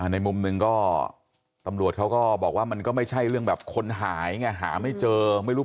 ในมุมหนึ่งก็ตำรวจเขาก็บอกว่ามันก็ไม่ใช่เรื่องแบบคนหายไงหาไม่เจอไม่รู้